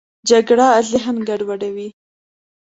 جګړه ذهن ګډوډوي